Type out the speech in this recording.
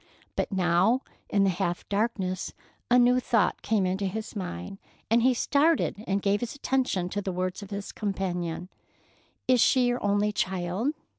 But now, in the half darkness, a new thought came into his mind, and he started and gave his attention to the words of his companion. "Is she your only child?"